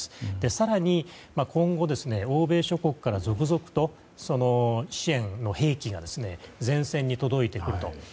更に今後、欧米諸国から続々と支援の兵器が前線に届いてくると。